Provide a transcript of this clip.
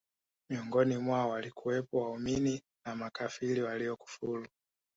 miongoni mwao walikuwepo Waumini na makafiri Waliokufuru